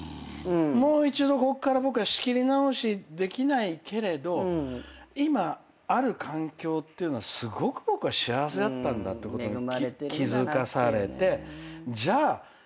もう一度ここから僕は仕切り直しできないけれど今ある環境っていうのはすごく幸せだったんだってことに気付かされてじゃあ。